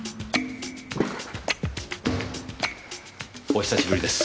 お久しぶりです。